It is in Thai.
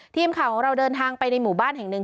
ทีมข่าวของเราเดินทางไปในหมู่บ้านแห่งหนึ่ง